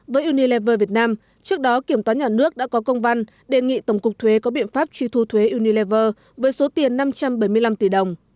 với unilever việt nam trước đó kiểm toán nhà nước đã có công văn đề nghị tổng cục thuế có biện pháp truy thu thuế unilever với số tiền năm trăm bảy mươi năm tỷ đồng